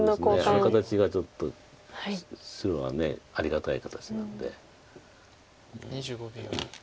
あの形がちょっと白はありがたい形なんで。